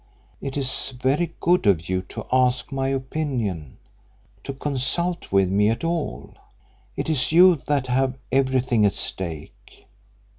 "It is very good of you to ask my opinion to consult with me at all. It is you that have everything at stake.